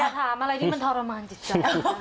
ถามอะไรที่มันทรมานจิตใจ